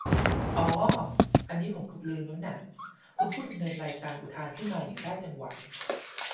"อ๋อ อันนี้ผมเกือบลืมแล้วน่ะ" คุณผู้ดำเนินรายการ อุทานขึ้นมาอย่างได้จังหวะ